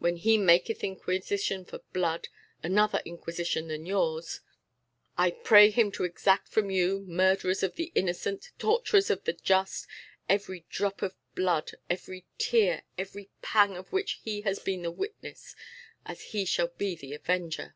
When He maketh inquisition for blood another inquisition than yours I pray him to exact from you, murderers of the innocent, torturers of the just, every drop of blood, every tear, every pang of which he has been the witness, as he shall be the avenger."